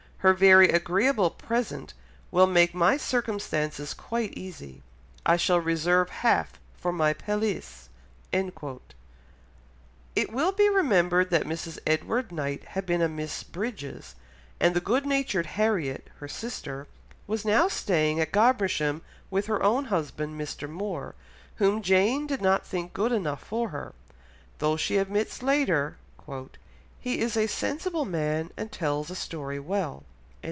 her very agreeable present will make my circumstances quite easy; I shall reserve half for my pelisse." It will be remembered that Mrs. Edward Knight had been a Miss Bridges, and the good natured Harriet, her sister, was now staying at Godmersham with her own husband, Mr. Moore, whom Jane did not think good enough for her, though she admits later, "he is a sensible man, and tells a story well."